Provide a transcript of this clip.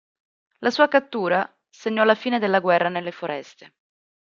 La sua cattura segnò la fine della guerra nelle foreste.